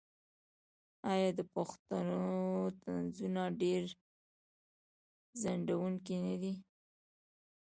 آیا د پښتنو طنزونه ډیر خندونکي نه دي؟